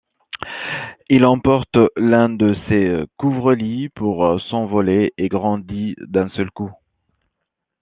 Il emporte l'un de ses couvre-lit pour s'envoler, et grandit d'un seul coup.